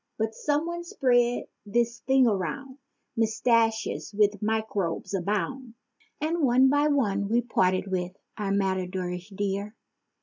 But some one spread this thing around—"Mustaches with microbes abound!" And one by one we parted with our matadorish dear.